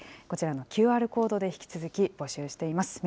こちらのＱＲコードで引き続き募集しています。